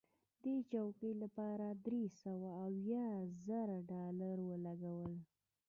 دې چوکۍ لپاره درې سوه اویا زره ډالره ولګول.